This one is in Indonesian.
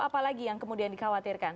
apa lagi yang kemudian dikhawatirkan